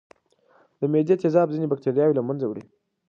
د معدې تیزاب ځینې بکتریاوې له منځه وړي.